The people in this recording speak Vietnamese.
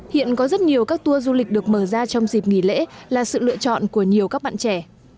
hiện có rất nhiều các tour du lịch được mở ra trong dịp nghỉ lễ là sự lựa chọn của nhiều các bạn trẻ